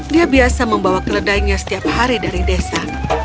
dia biasa membawa keledainya setiap hari dari desa